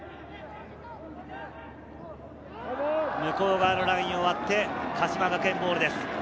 向こう側のラインを割って鹿島学園ボールです。